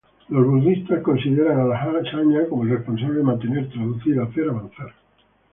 Los budistas consideran a la sangha como la responsable de mantener, traducir, hacer avanzar.